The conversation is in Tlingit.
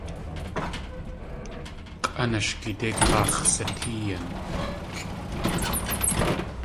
K̲ʼanashgidéi k̲áax̲ satéeyin.